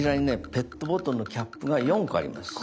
ペットボトルのキャップが４個あります。